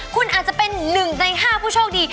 คุณอาจจะเป็น๑ใน๕ผู้โชคดี